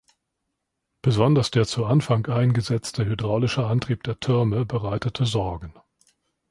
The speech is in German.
Besonders der zu Anfang eingesetzte hydraulische Antrieb der Türme bereitete Sorgen.